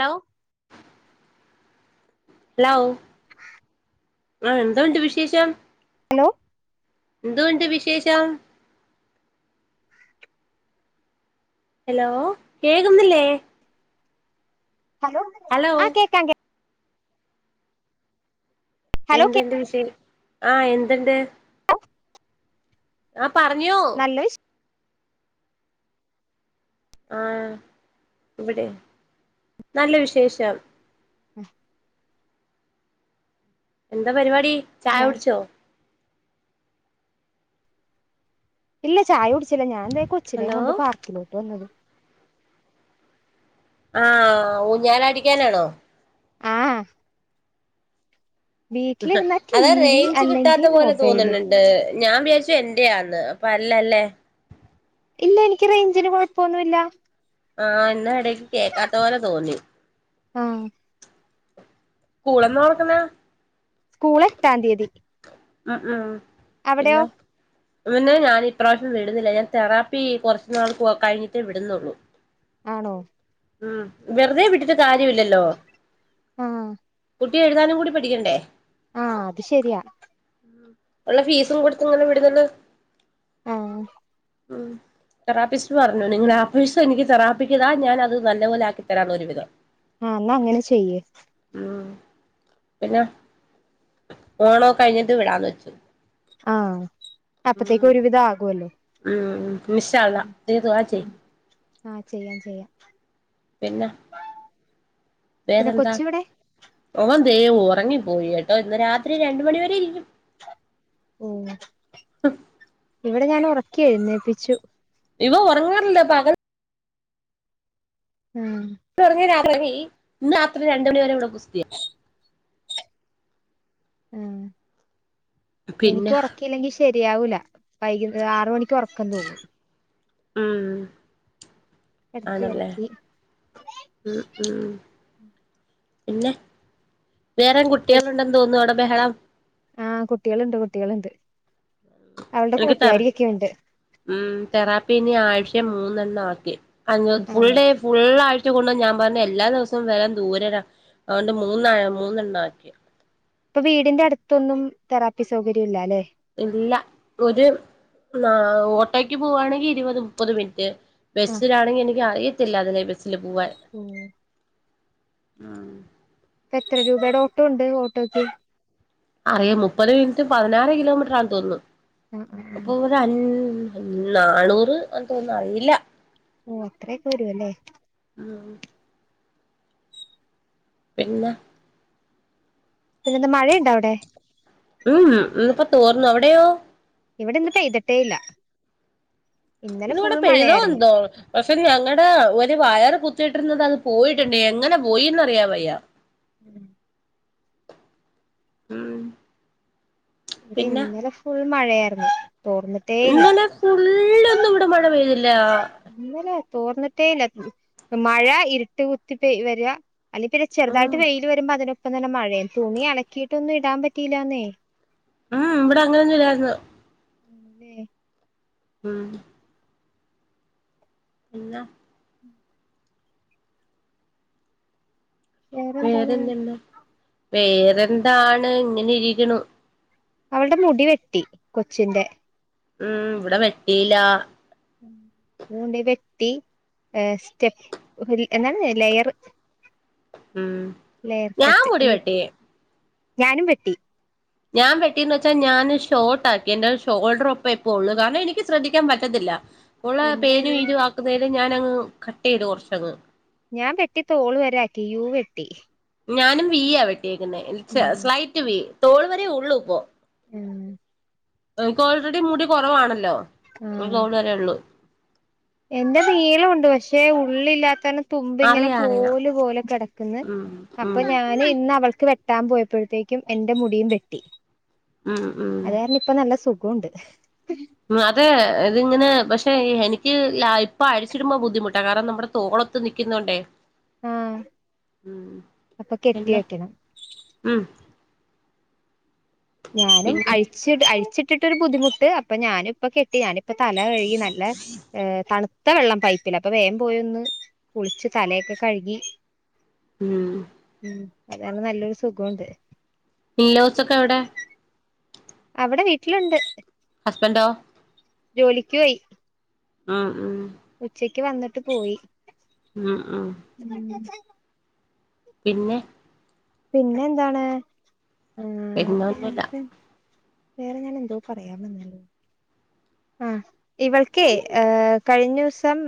Law ലോ ആ എന്താ ഉണ്ട് വിശേഷം അലോ എന്തൊഒണ്ട് വിശേഷം ഹലോ കേകുന്നില്ലേ ഹലോ ആ കേക്കാം കേ ഹലോ കേക്കാവോ എന്തെന്റെ വിശേ ആ എന്ത്ണ്ട് അപ് പറഞ്ഞോ നല്ല വിശേ ആഹ ഇവിടെ നല്ല വിശേഷം ഉം എന്താ പരിപാടി ചായ ഞാ കുടിച്ചോ ഇല്ല ചായ കുടിച്ചില്ല ഞാൻ ദേ കൊച്ചിനേും ഹലോ കൊണ്ട് പാർക്കിലോട്ട് വന്നതാ ആഹ് ഊഞ്ഞാൽ അടിക്കാനാണോ ആ വീട്ടിലിരുന്നാ ടി അതാ വി റേഞ്ച് കിട്ടാത്ത അല്ലെങ്കിൽ പോലെ മൊബൈല് തോന്നുന്നുണ്ട് ഞാൻ വിചാരിച്ചു എന്റെയാന്ന് അപ്പ അല്ലല്ലേ ഇല്ല എനിക്ക് റേഞ്ചിന് കൊഴപ്പൊന്നുല്ല ആ ഇന്ന ഇടക്ക് കേക്കാത്ത പോലെ തോന്നി ആ സ്കൂളെന്ന തുറക്കുന്നെ സ്കൂള് എട്ടാം തീയതി ഉം ഉം അവിടെയോ ഇവനെ ഞാൻ ഇപ്രാവശ്യം വിടുന്നില്ല ഞാൻ തെറാപ്പി കുറച്ച നാൾ കഴിഞ്ഞിട്ടേ വിടുന്നുള്ളൂ ആണോ ഉം വെറുതെ വിട്ടിട്ട് കാര്യല്ലല്ലോ ആ കുട്ടി എഴുതാനും കൂടി പഠിക്കണ്ടേ ആ അത് ശെരിയാ ഉള്ള ഫീസും കൊടുത്ത് ഇങ്ങനെ വിടുന്ന ആ ഉം തെറാപ്പിസ്റ്റ് പറഞ്ഞു നിങ്ങൾ ആ ഫീസ് എനിക്ക് തെറാപ്പിക്ക് താ ഞാനത് നല്ലപോലെ ആക്കിത്തരാന്ന് ഒരു വിധം ആ എന്നാ അങ്ങനെ ചെയ്യ് ഉം പിന്നെ ഓണക്കൊ കഴിഞ്ഞിട്ട് വിടാന്ന് വെച്ചു ആ ഉം അപ്പത്തേക്കും ഒരുവിധം ആകുവല്ലോ ഉം ഇൻഷാ അള്ളാ നീ ദുആ ചെയ്യ് ആ ചെയ്യാം ചെയ്യാം പിന്നെ പിന്നെ വേറെന്താ കൊച്ച് എവിടെ ഓൻ ദേ ഉറങ്ങിപ്പോയി കേട്ടോ ഇന്ന് രാത്രി രണ്ട മണിവരെ ഇരിക്കും ഓ ഇവിടെ ഞാൻ ഉറ ക്കി എഴുന്നേപ്പിച്ചു ഇവ ഉറങ്ങാർല്ലേ പകൽ മ്മ് ന്ന് രാത്രി രണ്ട് മണി വരെള്ളൂ [inaudible] മ്മ് എനിക്ക് പിന്നെ ഉറക്കല്ലെങ്കി ശെ ആവൂല വൈ ആറ്മണി ഉറക്കം തൂങ്ങും ഉം ത്തി ആണല്ലേ ഒർക്കി ഉം ഉം പിന്നെ വേറെ കുട്ടികള്ണ്ടെന്ന്തോന്നു അവടെ ബഹളം ആ കുട്ടികള്ണ്ട് കുട്ടികള്ണ്ട് നിക്ക് തെറ മ്മ് തെറാപ്പി ഇനി ആഴ്ച മൂ ന്നന്നാ ഒക്കെ [unintelligible] ആണോ ഫുൾഡേ ഫുള്ള് ആയി ച്ചു കൊണ്ട് ഞാൻ പർഞ്ഞ് എല്ലാ ദിവസവും വെം ഇത് ദൂരലാ അയൊണ്ട് മൂന്ന് ആയ മൂന്ന് ഇണ്ടാക്കി ഇപ്പ വീടിന്റെ അട്ത്തൊന്നും തെറാപ്പി സൗകര്യം ഇല്ലാലെ ഇല്ല ഒര് ന്നാ ഓട്ടോക്ക് പോവാണെങ്കി ഇരുപത് മുപ്പത് മിൻറ്റ് ആഹ് ബെസ്സിലാണെങ്കി എനിക്ക് അറി ത്തില്ല അതിലെ ബ സ്സില് പോവാൻ മ്മ് ഇപ്പ എത്ര രൂപേടെ ഓട്ടോ ണ്ട് ഓട്ടോക്ക് അറിയ മുപ്പത് മിനിറ്റ് പതിനാറ് കിലോമീറ്റർ ആ തോന്നുന്നു ആഹ് ആഹ് ആഹ് അപ്പൊ ഒരു അ നാണൂറ് ആന്ന് തോന്നുന്ന് അറീല്ല ഓ അത്രയൊക്കെ വരുവല്ലേ മ്മ് പിന്ന പിന്നെ എന്ത മഴണ്ടാ അവിടെ മ്മ് ഇന്നിപ്പോ തോർന്നു അവ അവിടയോ ഇവിടെ ഇന്ന് പെയ്തിട്ടേ ഇല്ല ഇന്നലെ ഇന്ന് ഫുൾ ഇവിടെ പെയ്തോ മഴയായിരുന്നു എന്തോ പ പ്പ ഞങ്ങടെ മ്മ് മ്മ് ഇവിടെ ഇന്നലെ ഫുൾ മഴയാ [unintelligible] ഇന്നലെ ഫുള്ളും ന്നും ഇവിടെ മഴ പെയ്തി ല്ലാ. ഇന്നലെ തോർന്നിട്ടേ ഇല്ല മഴ ഇരുട്ട് കുത്തി പെയ വെര. അല്ലെങ്കി പിന്നെ ഉം ചെറ്തായിട്ട് വെയില് വരുമ്പോ അതിനെ ഇപ്പ നല്ല മഴയും തുണി അലക്കിട്ടൊന്നും ഇടാൻ പറ്റീലാന്നേ. ഉം ഇവിടെ അങ്ങനൊന്നും ഇല്ലായിര്ന്ന്. ആണല്ലേ ഉം. പിന്ന വേറെന്താണ് വേറെന്ത്ണ്ട്. വേറെന്താണ് ഇങ്ങനെ ഇരികിണു. അവള്ടെ മുടി വെട്ടി കൊച്ചിൻ്റെ. ഉം ഇവിടെ വെട്ടീല. അതൊണ്ട് വെട്ടി എ സ്റ്റെപ്പ് എന്താണ് ലെയർ ഉം ലെയർ ഞാൻ കട്ട് മുടി ഈ. വെട്ടി [unintelligible] ഞാനും വെട്ടി. ഞാൻ വെട്ടിന്ന് വെച്ചാൽ ഞാന് ഷോർട്ട് ആക്കി എന്റെ ഒരു ഷോൾഡർ ഒപ്പം ഇപ്പള്ളൂ കാരണം എനിക്ക് ശ്രദ്ധിക്കാൻ പറ്റത്തില്ല. ഉള്ള പേനും എന്റേത് ഈരും ആക്കുന്നേ ത് ഞാനങ്ങ് കട്ട് ചെയ്തു കുറച്ചങ്ങ് ഞാൻ വെട്ടി തോള് വരെയാക്കി യൂ വെട്ടി. ഞാനും വീയാ വെ ട്ടിയേക്കുന്നെ ഉം സ്ലൈറ്റ് വി തോള് വരേ ഉള്ളൂ ഇപ്പോ. ഉം. എനിക്ക് ഓൾറെഡി മുടി കുറവാണല്ലോ. പ്പോൾ ആഹ് തോള് വരേ ഉള്ളൂ. എന്റെ നീളമുണ്ട് പക്ഷേ ഉള്ളില്ലാത്ത തുമ്പ് ഇങ്ങനെ അറിയാം അറിയാം കോല് പോലെ കിടക്കിന്ന് ഉം അപ്പൊ ഉം ഞാന് ഇന്ന് അവൾ വെട്ടാൻ പോയപ്പോഴത്തേക്കും എന്റെ മുടിയും വെട്ടി. ഉം അത് ഉം കാരണം ഇപ്പ നല്ല സു കോണ്ട് അതെ ഇതിങ്ങനെ ഭ എനിക്ക് ഇപ്പൊ അഴിച്ചിടുമ്പോ ബുദ്ധിമുട്ടാ കാരണം നമ്മുടെ തോളത്ത് നിയ്ക്കുന്നോണ്ടേ. ആഹ് അപ്പൊ കെട്ടി പിന്നെ വെക്കണം. ഉം ഞാനും പിന്നെ അഴിച്ചിട അഴിച്ചി ഇട്ടിട്ടൊരു ബുദ്ധിമുട്ട് അപ്പൊ ഞാനും ഇപ്പൊ കെട്ടിയാനും ഇപ്പൊ തല കഴുകി നല്ല തണു ത്ത വെള്ളം പൈപ്പില് അപ്പൊ വേഗം പോയി ഒന്ന് കുളിച്ച് തലയൊക്കെ കഴുകി ഊം ഉം അതാണ് നല്ലൊരു സുഖുണ്ട് പിള്ളേസൊക്കെ എവിടെ? അവിടെ വീട്ടിലുണ്ട് ഹസ്ബന്റോ? ജോലിക്ക് പോയി ഉം ഉം ഉച്ചയ്ക്ക് വന്നിട്ട് പോയി മ് മ് ഉം പിന്നെ പിന്നെ എന്താണ് ആ പിന്നൊന്നുല്ല [unintelligible] വേറെ ഞാൻ എന്തോ പറയാൻ വന്നല്ലോ ആ ഇവൾക്കേ കഴിഞ്ഞ ദിവസം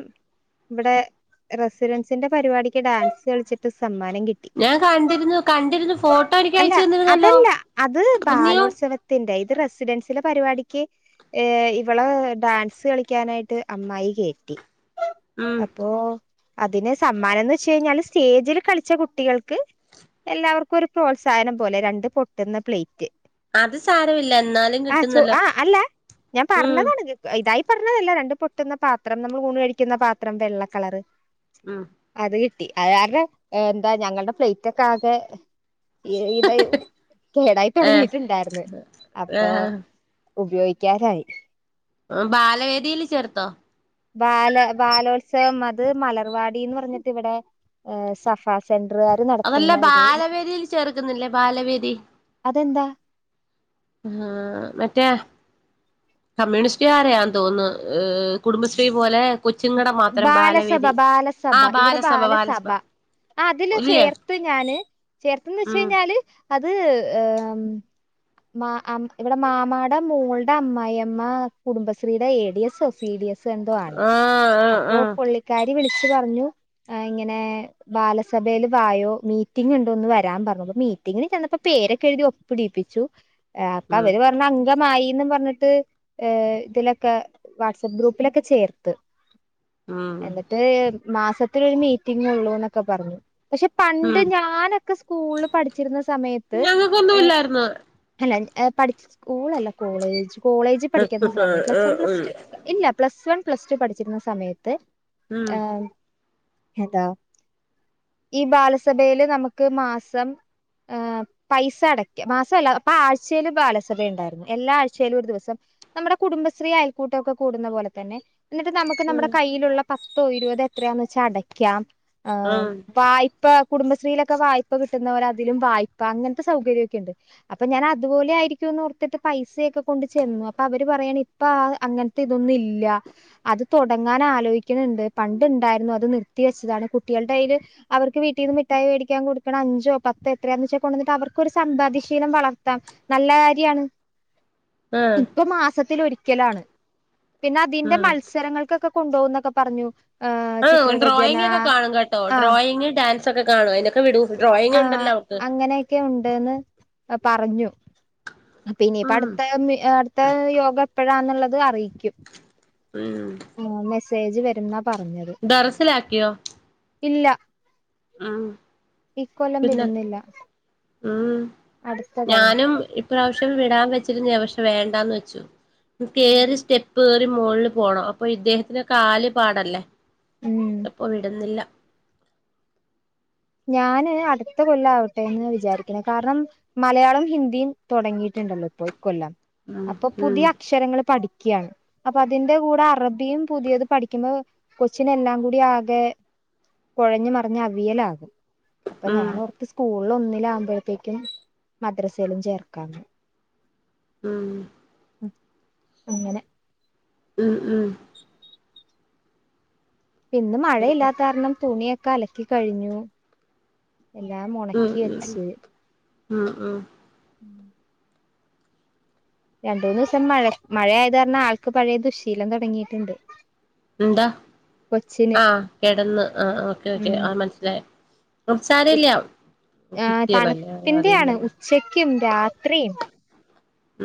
ഇവിടെ റെസിഡൻസിന്റെ പരിപാടിക്ക് ഡാൻസ് കളിച്ചിട്ട് സമ്മാന ഞാൻ കണ്ടിരുന്നു കണ്ടിരുന്നു ഫോട്ടോ എനിക്ക് അല്ല അയച്ചു തന്നിരുന്നല്ലോ അതല്ല പിന്നെയോ റസിഡൻസിലെ പരിപാടിക്ക് ഇവള് ഡാൻസ് കളിക്കാനായിട്ട് അമ്മായി കേറ്റി ഉം അപ്പോ അതിന് സമ്മാനംന്ന് വെച്ച കഴിഞ്ഞാല് സ്റ്റേജിൽ കളിച്ച കുട്ടികൾക്ക് എല്ലാവർക്കും ഒരു പ്രോത്സാഹനം പോലെ രണ്ട് പൊട്ടുന്ന പ്ലേറ്റ് അത് സാരമില്ല എന്നാലും ആഹ് ചോ കിട്ടുന്നല്ലോ ആഹ് അല്ല ഞാൻ ഉം പറഞ്ഞതാണ് കിട്ടു ആ ഇതായി പറഞ്ഞതല്ല രണ്ട് പൊട്ടുന്ന പാത്രം നമ്മൾ ഊണ് കഴിക്കുന്ന പാത്രം വെള്ള കളറ് ഉം അതെ അതരുടെ എന്താ ഞങ്ങളുടെ ഫ്ലൈറ്റ് ഒക്കെ ആകെ ഇതായി കേടായി ഏഹ് തുൊടങ്ങിട്ടുണ്ടായിരുന്നു അപ്പൊ ഏഹ് ഉപയോഗിക്കാരായി ബാലവേദിയിയില് ചേർന്നോ ബാല ബാലോത്സവം അത് മലർവാടിന്ന് പറഞ്ഞിട്ട് ഇവിടെ സഫാ സെന്റ അതല്ല ബാലവേരിയിൽ ചെറർക്ക കിന്നില്ല ബാലവേദി അതെന്താ ആ മറ്റേ കമ്മ്യൂണിസ്റ്റുകാരാന്ന് തോന്നുന്നു ഏ കുടുംബശ്രീ പോലെ കൊച്ചുങ്ങടെ മാത്രം ബാലസഭ ബാലവേദി ബാലസഭ ഇവിടെ ബാലസഭ അതില് ഇല്ലേ ചേർത്ത് ഞാന് ചേർത്തന്ന് വെച്ച ഉം കഴിഞ്ഞാല് അത് മാ അം ഇവിടെ മാമാടെ മോളുടെ അമ്മായിമ്മ കുടുംബശ്രീയുടെ A D S C D S so എന്തോ ആണ്. ആഹ് ആഹ് അപ്പോ ആഹ് പുള്ളിക്കാരി വിളിച്ചു പറഞ്ഞു ഇങ്ങനെ ബാലസഭേല് വായോ മീറ്റിംഗ് ഉണ്ട് ഒന്ന് വരാൻ പറഞ്ഞു. അപ്പൊ മീറ്റിങ്ങിന് ചെന്നപ്പോ പേരൊക്കെ എഴുതി ഒപ്പിടീപ്പിച്ചു. അപ്പ ഉം അവര് പറഞ്ഞ മായീന്ന് പറഞ്ഞിട്ട് ഇതിലൊക്കെ വാട്സ് ആപ്പ് ഗ്രൂപ്പിലൊക്കെ ചേർത്ത്. ഉം എന്നിട്ട് മാസത്തിലൊരു മീറ്റിംഗ് ഉള്ളൂന്നൊക്കെ പറഞ്ഞു. പക്ഷെ പണ്ട് ഉം ഞാനൊക്കെ സ്കൂളിൽ പഠിച്ചിരുന്ന സമയത്ത് ഏ ഞങ്ങക്കൊന്നും ഇല്ലായിരുന്നു അല്ല എ പഠിച്ച സ്കൂളല്ല കോളേജ്. കോളേജിൽ പഠിക്കുന്ന സമയം പ്ലസ് വൺ പ്ലസ് ടു ഇല്ല പ്ലസ് വൺ പ്ലസ് ടു പഠി ച്ചിരുന്ന സമയത്ത് ഉം ആ താ ഈ ബാലസഭയില് നമുക്ക് മാസം ഏ പൈസ അടക്ക മാസല്ല അപ്പൊ ആഴ്ചൽ ബാലസഭ ഉണ്ടായിരുന്നു എല്ലാ ആഴ്ചയിലും ഒരു ദിവസം നമ്മുടെ കുടുംബശ്രീ അയൽക്കൂട്ടൊക്കെ കൂടുന്ന പോലെ തന്നെ എന്നിട്ട് നമുക്ക് ഉം നമ്മുടെ കയ്യിലുള്ള പത്തോ ഇരുപതോ എത്രയാന്ന് വെച്ചാ അടയ്ക്കാം. ആ ആഹ് വായ്പ കുടുംബശ്രീയിലൊക്കെ വായ്പ കിട്ടുന്ന പോലെ അതിലും വായ്പ അങ്ങനത്തെ സൗകര്യക്കെ ഉണ്ട്. അപ്പൊ ഞാൻ അതുപോലെ ആയിരിക്കുംന്ന് ഓർത്തിട്ട് പൈസയൊക്കെ കൊണ്ട് ചെന്നു അപ്പൊ അവര് പറയാണ് ഇപ്പ അങ്ങനത്തെ ഇതൊന്നും ഇല്ല അത് തുടങ്ങാൻ ആലോചിക്കണണ്ട്. പണ്ട് ഉണ്ടായിരുന്നു അത് നിർത്തി വെച്ചതാണ്. കുട്ടികളുടെ കയീല് അവർക്ക് വീട്ടീന്ന് മിഠായി വേടിക്കാൻ കൊടുക്കണ അഞ്ചോ പത്തോ എത്രയാന്ന് വെച്ചാൽ കൊണ്ടുവന്നിട്ട് അവർക്കരു സമ്പാദ്യശീലം വളർത്താം. നല്ല കാര്യാണ്. ആഹ് ഇപ്പം മാസത്തിലൊരിക്ക രിക്കലാണ്. പിന്നെ അതിന്റെ ഉം മൽ കൊക്കെ കൊണ്ട്പോന്നൊക്കെ പറഞ്ഞു. ഏഹ് ആ ചിത്രരചന ഡ്രോയിങ് ഒക്കെ കാണും കേട്ടോ ഡ്രോയിങ്, ഡാൻ സൊക്കെ കാണും അയിന്റ ആ അങ്ങനെയൊക്കെ ഉണ്ട്ന്ന് അപ് പറഞ്ഞു. പിന്നെ ഇപ്പ ഉം അടുത്ത അടുത്ത യോഗ എപ്പഴാന്നുള്ളത് അത് അറിയിക്കും. [unintelligible] പേജ്ജ് വരുന്ന ടെറസിൽ ആക്കിയോ ഇല്ലാ അ പിന്ന വിടുന്നില്ല ഉം അടുത്ത തവണ. ഞാനും ഇപ്രാവശ്യം വിടാൻ വച്ചിരുന്ന പക്ഷെ വേണ്ടാന്ന് വെച്ചു- ഉം കേറി സ്റ്റെപ്പ് മോളിൽപോണം അപ്പൊ ഇദ്ദേഹത്തിന് കാല് പാടല്ലേ--? ഉം. എപ്പൊ വിടുന്നില്ലാ ഞാന് അടുത്ത കൊല്ലം ആവട്ടെ എന്ന് വിചാരിക്കണ കാരണം മലയാളം ഹിന്ദിയും തൊടങ്ങിയിട്ടുണ്ടല്ലോ ഇപ്പോ ഇ കൊല്ലം- ഉം അപ്പൊ ഉം പുതിയ അക്ഷരങ്ങള് പഠി ക്യണ് അപ്പ അതിന്റെ കൂടെ അറബിയും പുതിയത് പഠിക്കുമ്പോ കൊച്ചിന് എല്ലാം കൂടി ആകെ കൊഴഞ്ഞുമറിഞ്ഞ് അവിയലാകും ഉം അപ്പംഞാനോർത്ത് സ്കൂൾ ഇവൾ ഒന്നിലാകുമ്പോഴേക്കും മദ്രസയിലും ചേർക്കാം മ് അങ്ങനെ മ് മ് ഇന്ന് പിന്നെ മഴയില്ലാത്ത കാരണം തുണിയക്ക് കലക്കി കഴിഞ്ഞൂ എല്ലാം മൊണക്കി വെച്ച് മ് മ് രണ്ട് മൂന്ന് ദിവസം മഴ മഴയാത് കാരണം ആൾക്ക് പഴയ ദുശ്ശീലം തൊടങ്ങിട്ടുണ്ട് എന്താ ആ കെടന്ന് ആ ഓക്കെ ഓക്കെ ആ ഉം മനസ്സിലായ് ഒസാരല്ലൃ ആഹ് കുട്ടികളല്ലേ അറിയില്ലല്ലോ രാത്രി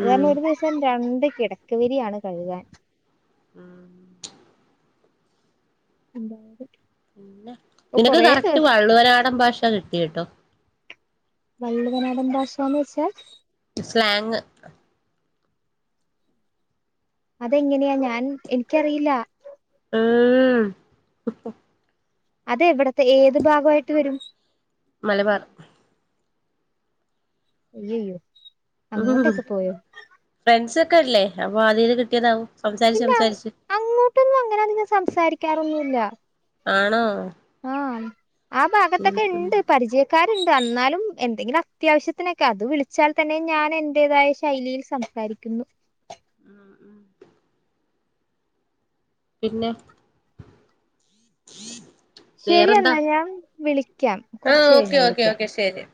അതാണ് ഉം ഒരു ദിവസം രണ്ടി കിടക്ക വിരിയാണ് കഴുകാൻ ഉം [unintelligible] പിന്നെ ഇപ്പൊ നിനക്ക് കൊറേ കറക്റ്റ് ദിവസം വള്ളുവനാടംഭാഷ കി കേട്ടൊ വള്ളുവനാടൻ ഭാഷാന്നുവച്ചാ സ്ലാങ് അതെങ്ങനെയാ ഞാൻ എനിക്കറിയില്ലാ ഉം അത്എവിടത്തെ ഏത് ഭാഗയിട്ട് വരും- മലബാർ അയ്യയ്യോ ഉം അങ്ങോട്ടൊക്കെ പോയോ ഫ്രണ്ട്സ് അപ്പല്ലേ ആദ്യായിട്ട് കിട്ടിയതാവും സംസാരിച്ചു ഇല്ല സംസാരിച്ചു സംസാരിക്കാർഒന്നുമില്ല ആണോ ആ ആ ഉം ഭാഗത്തൊക്കെ ഉം ഉണ്ട് പരിചയക്കാരർ ണ്ട് എന്നാലും എന്തെങ്കിലും അത്യാവശ്യത്തിനൊക്കെ അത് വിളിച്ചാൽ തന്നെ ഞാൻ എൻറേതായ ശൈലിയിൽ സംസാരിക്കുന്നു ഉം ഉ പിന്നെ ശരി എന്നന്നാല് ഞാൻ വിളിക്ക ആ ഓക്കേ ഓക്കെ ഓക്കെ ശെരി